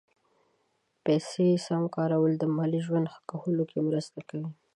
پیسې سم کارول د مالي ژوند ښه کولو کې مرسته کوي.